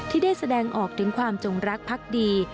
ที่ได้แสดงออกถึงความจงรักพักดี